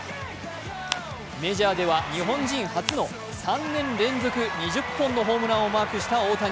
メジャーでは日本人初の３年連続２０本のホームランをマークした大谷。